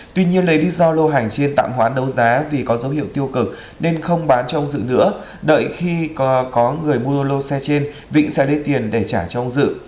tuy nhiên lấy đi do lô hành trên tạm hoãn đấu giá vì có dấu hiệu tiêu cực nên không bán cho ông dự nữa đợi khi có người mua lô xe trên vĩnh sẽ lấy tiền để trả cho ông dự